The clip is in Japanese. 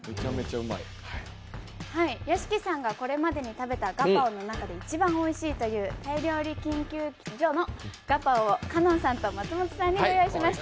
屋敷さんがこれまでに食べたガパオの中で一番おいしいというタイ料理研究所のガパオを香音さんと松本さんにご用意しました。